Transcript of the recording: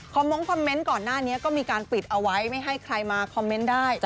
มงคอมเมนต์ก่อนหน้านี้ก็มีการปิดเอาไว้ไม่ให้ใครมาคอมเมนต์ได้